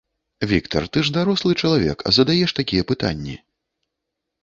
Віктар, ты ж дарослы чалавек, а задаеш такія пытанні.